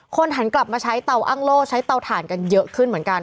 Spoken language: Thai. หันกลับมาใช้เตาอ้างโล่ใช้เตาถ่านกันเยอะขึ้นเหมือนกัน